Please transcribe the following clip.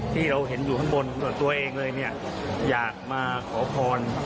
ที่เราเห็นอยู่ข้างบนตัวเองเลยเนี่ยอยากมาขอพร